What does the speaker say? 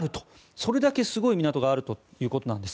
それだけすごい港があるということです。